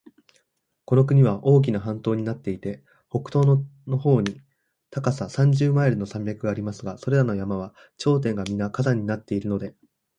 この国は大きな半島になっていて、北東の方に高さ三十マイルの山脈がありますが、それらの山は頂上がみな火山になっているので、